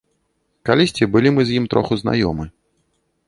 Калісьці былі мы з ім троху знаёмы.